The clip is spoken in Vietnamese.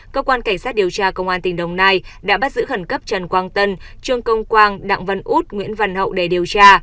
cơ quan cảnh sát điều tra công an tỉnh đồng nai đã bắt giữ khẩn cấp trần quang tân trương công quang đặng văn út nguyễn văn hậu để điều tra